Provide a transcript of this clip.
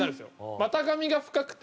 股上が深くて。